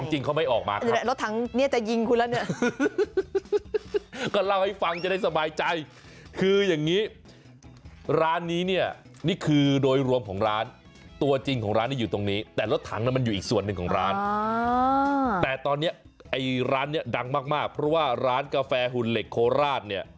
ร้านนี้เนี่ยนี่คือโดยรวมของร้านตัวจริงของร้านนี้อยู่ตรงนี้แต่รถถังมันอยู่อีกส่วนหนึ่งของร้านแต่ตอนนี้ร้านนี้ดังมากเพราะว่าร้านกาแฟหุ่นเหล็กโคลาสเนี่ย